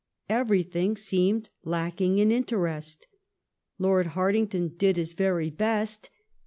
Everything seemed lacking in interest. Lord Hartington did his very best.